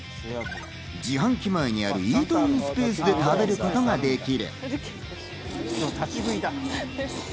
自販機前にあるイートインスペースで食べることができる。